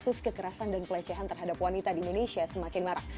kasus kekerasan dan pelecehan terhadap wanita di indonesia semakin marah